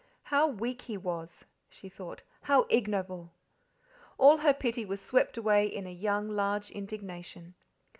How weak he was, she thought, how ignoble! All her pity was swept away in a young, large indignation.